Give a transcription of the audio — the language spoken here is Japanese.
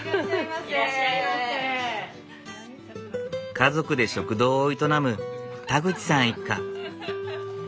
家族で食堂を営む田口さん一家。